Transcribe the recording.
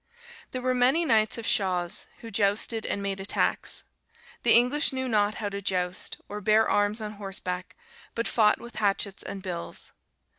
"There were many knights of Chauz, who jousted and made attacks. The English knew not how to joust, or bear arms on horseback but fought with hatchets and bills.